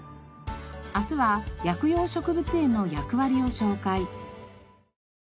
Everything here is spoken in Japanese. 明日は薬用植物園の役割を紹介。